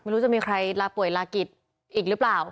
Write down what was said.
ไม่รู้จะมีใครลาป่วยลากิจอีกหรือเปล่า